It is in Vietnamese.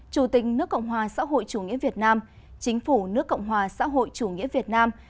chủ tịch nước cộng hòa xã hội chủ nghĩa việt nam chính phủ nước cộng hòa xã hội chủ nghĩa việt nam